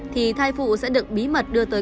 thì thai phụ sẽ được bí mật đưa tới